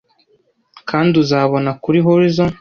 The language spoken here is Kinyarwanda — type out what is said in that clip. kandi uzabona kuri horizon